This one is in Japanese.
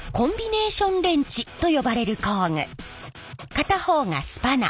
片方がスパナ